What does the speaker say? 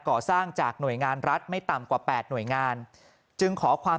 ก่อสร้างจากหน่วยงานรัฐไม่ต่ำกว่า๘หน่วยงานจึงขอความ